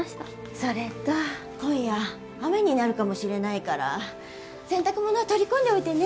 それと今夜雨になるかもしれないから洗濯物取り込んでおいてね。